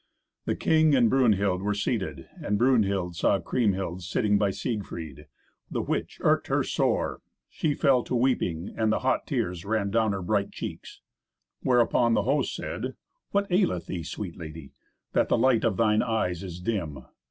The king and Brunhild were seated, and Brunhild saw Kriemhild sitting by Siegfried, the which irked her sore; she fell to weeping, and the hot tears ran down her bright cheeks. Whereupon the host said, "What aileth thee, sweet Lady, that the light of thine eyes is dim?